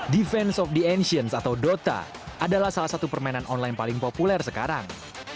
defense of the antions atau dota adalah salah satu permainan online paling populer sekarang